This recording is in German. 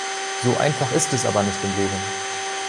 So einfach ist es aber nicht im Leben.